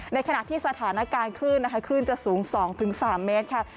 ในขณะที่สถานการณ์ขึ้นขึ้นจะสูง๒๓เมตร